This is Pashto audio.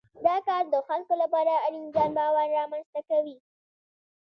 دا کار د خلکو لپاره اړین ځان باور رامنځته کوي.